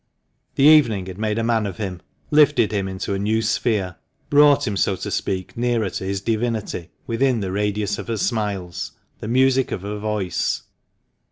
The evening had made a man of him — lifted him into a new sphere — brought him, so to speak, nearer to his divinity, within the radius of her smiles, the music of her voice.